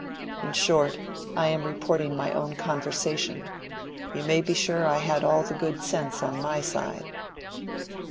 In short—I am reporting my own conversation—you may be sure I had all the good sense on my side."